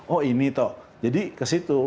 oh ini toh jadi kesitu